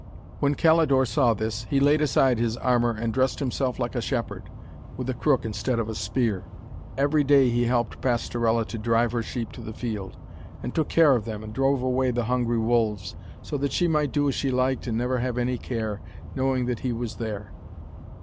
When Calidore saw this, he laid aside his armour and dressed himself like a shepherd, with a crook instead of a spear. Every day he helped Pastorella to drive her sheep to the field, and took care of them and drove away the hungry wolves, so that she might do as she liked and never have any care, knowing that he was there.